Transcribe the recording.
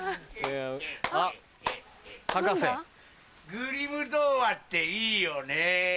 グリム童話っていいよね。